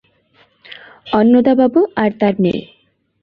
অন্নদাবাবু আর তাঁর মেয়ে।